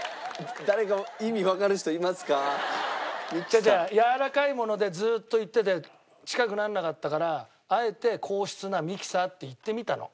違う違うやわらかいものでずっといってて近くならなかったからあえて硬質なミキサーって言ってみたの。